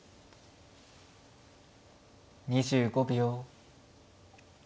２５秒。